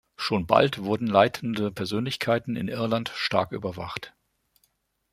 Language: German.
Schon bald wurden leitende Persönlichkeiten in Irland stark überwacht.